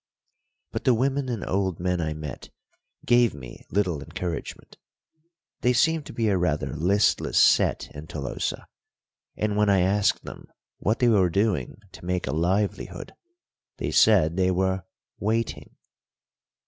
But the women and old men I met gave me little encouragement. They seemed to be a rather listless set in Tolosa, and when I asked them what they were doing to make a livelihood, they said they were _waiting.